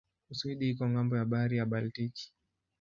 Uswidi iko ng'ambo ya bahari ya Baltiki.